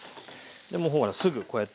もうほらすぐこうやって。